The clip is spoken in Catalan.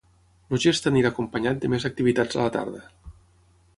El gest anirà acompanyat de més activitats a la tarda.